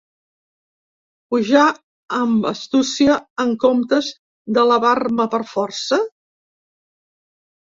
Pujar amb astúcia en comptes d’elevar-me per força?